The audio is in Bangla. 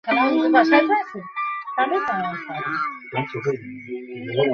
তিনি মুম্বাইয়ের ফোর্ট আঞ্জুমান ইসলাম উচ্চ বিদ্যালয়ে ইসলামী শিক্ষক হিসাবে দায়িত্ব পালন করেছিলেন।